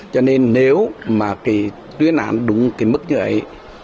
cho nên nếu mà cái tuyên án đúng cái mức như ấy